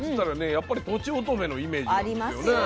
やっぱりとちおとめのイメージがあるんですよね。